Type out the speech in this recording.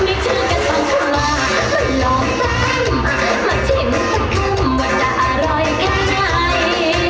มีชื่อกันสองคนรอมันรอแป้งมาชิมสักครั้งว่าจะอร่อยค่ะไง